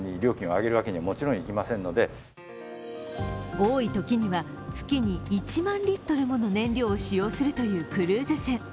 多いときには月に１万リットルもの燃料を使用するというクルーズ船。